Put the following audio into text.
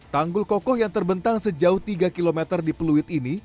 tanggul kokoh yang terbentang sejauh tiga km di peluit ini